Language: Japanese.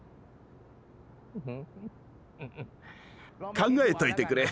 考えといてくれ。